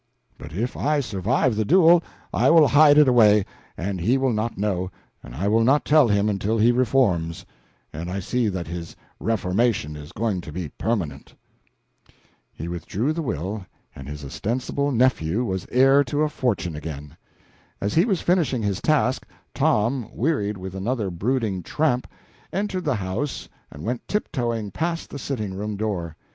But if I survive the duel, I will hide it away, and he will not know, and I will not tell him until he reforms, and I see that his reformation is going to be permanent." He re drew the will, and his ostensible nephew was heir to a fortune again. As he was finishing his task, Tom, wearied with another brooding tramp, entered the house and went tiptoeing past the sitting room door.